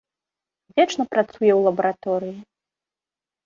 Вечна працуе ў лабараторыі.